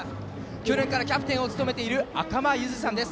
去年からキャプテンを務めているあかまゆずさんです。